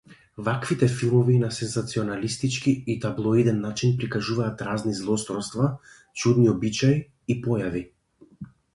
Ваквите филмови на сензационалистички и таблоиден начин прикажуваат разни злосторства, чудни обичаи и појави.